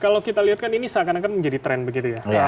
kalau kita lihat kan ini seakan akan menjadi tren begitu ya